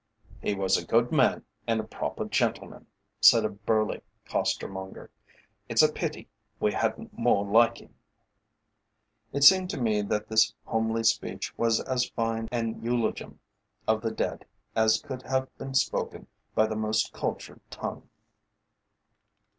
"He was a good man and a proper gentleman," said a burly costermonger. "It's a pity we hadn't more like him." It seemed to me that that homely speech was as fine an eulogium of the dead as could have been spoken by the most cultured tongue.